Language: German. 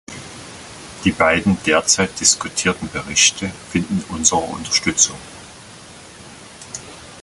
Die beiden derzeit diskutierten Berichte finden unsere Unterstützung.